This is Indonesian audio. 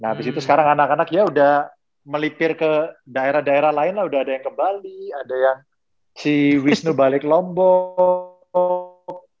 nah habis itu sekarang anak anak ya udah melipir ke daerah daerah lain udah ada yang ke bali ada yang si wisnu balik lombok